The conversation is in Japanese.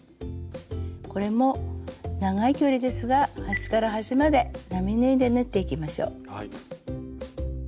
これも長い距離ですが端から端まで並縫いで縫っていきましょう。